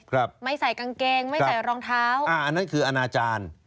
ไม่ใส่กางเกงไม่ใส่รองเท้าอ่าอันนั้นคืออนาจารย์